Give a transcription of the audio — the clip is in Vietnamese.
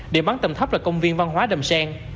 địa bắn tầm thấp là công viên văn hóa đầm sen